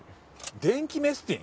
電気メスティン？